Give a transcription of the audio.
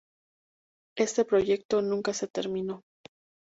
Este proyecto nunca se terminó.